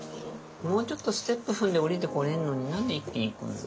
もうちょっとステップ踏んで下りてこれんのに何で一気に来んの？